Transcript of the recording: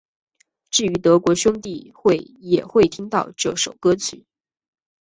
至于德国兄弟会也会听到这首歌曲。